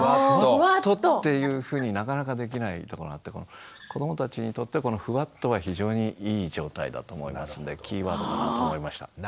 「フワッと」っていうふうになかなかできないところがあって子どもたちにとってはこの「フワッと」は非常にいい状態だと思いますんでキーワードだなと思いました。